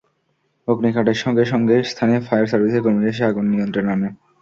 অগ্নিকাণ্ডের সঙ্গে সঙ্গেই স্থানীয় ফায়ার সার্ভিসের কর্মীরা এসে আগুন নিয়ন্ত্রণে আনেন।